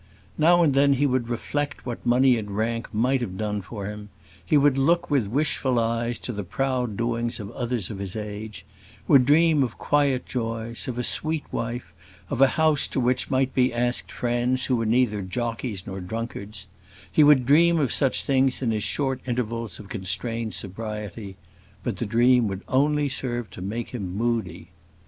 Now and then he would reflect what money and rank might have done for him; he would look with wishful eyes to the proud doings of others of his age; would dream of quiet joys, of a sweet wife, of a house to which might be asked friends who were neither jockeys nor drunkards; he would dream of such things in his short intervals of constrained sobriety; but the dream would only serve to make him moody.